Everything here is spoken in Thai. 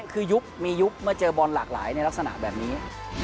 คือยุคมียุคเมื่อเจอบอลหลากหลายในลักษณะแบบนี้